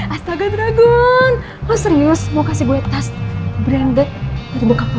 astaga dragun lo serius mau kasih gue tas branded dari bokap lo